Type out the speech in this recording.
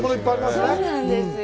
そうなんですよ。